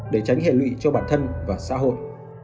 để tránh hệ lụy cho bản thân và xã hội